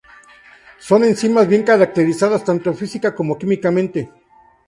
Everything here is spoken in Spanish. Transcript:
Son enzimas bien caracterizadas tanto física como químicamente.